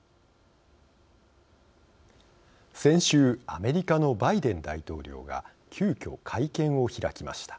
先週アメリカのバイデン大統領が急きょ会見を開きました。